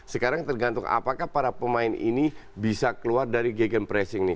sekarang tergantung apakah para pemain ini bisa keluar dari gagan pressing nih